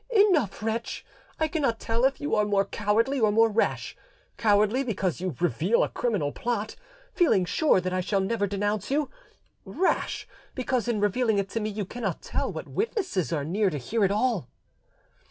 "Enough, wretch! I cannot tell if you are more cowardly or more rash: cowardly, because you reveal a criminal plot feeling sure that I shall never denounce you; rash, because in revealing it to me you cannot tell what witnesses are near to hear it all."